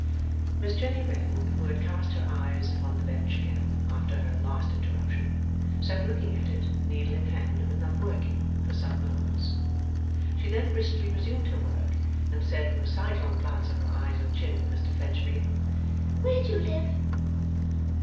Miss Jenny Wren, who had cast her eyes upon the bench again after her last interruption, sat looking at it, needle in hand but not working, for some moments. She then briskly resumed her work, and said with a sidelong glance of her eyes and chin at Mr Fledgeby: 'Where d'ye live?